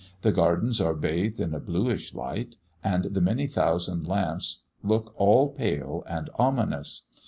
The gardens are bathed in a bluish light, and the many thousand lamps look all pale and ominous.